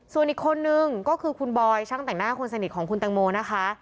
ส่วนอีกคนนึงก็คือคุณบอยช่างแต่งหน้าคนสนิทของคุณแตงโมนะคะ